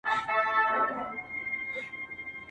پوليس د کور ځيني وسايل له ځان سره وړي